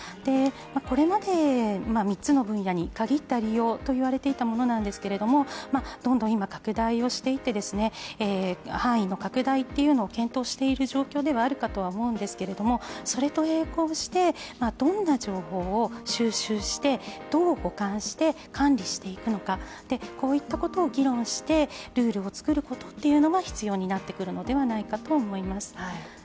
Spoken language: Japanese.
これまで、３つの分野に限った利用といわれていたものなんですけどどんどん今拡大をしていて範囲の拡大を検討している状況ではあるかと思うんですけれどもそれと並行して、どんな情報を収集してどう保管して管理していくのか、こういったことを議論してルールを作ることというのは必要になってくるのではないかと思います。